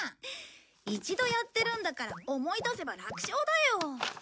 一度やってるんだから思い出せば楽勝だよ！